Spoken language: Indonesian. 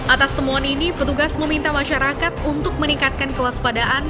atas temuan ini petugas meminta masyarakat untuk meningkatkan kewaspadaan